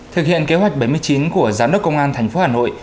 thực hiện kế hoạch bảy mươi chín của giám đốc công an tp hà nội